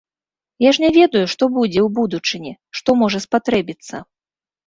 Я ж не ведаю, што будзе ў будучыні, што можа спатрэбіцца.